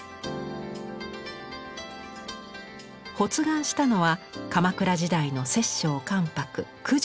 発願したのは鎌倉時代の摂政・関白九条